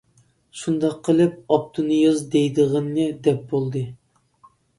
شۇنداق قىلىپ ئابدۇنىياز دەيدىغىنىنى دەپ بولدى.